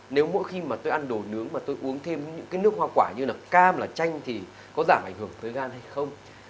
nếu mỗi khi mà tôi ăn đồ nướng mà tôi uống thêm những cái nước hoa quả như là cam là chanh thì có giảm ảnh hưởng thời gian hay không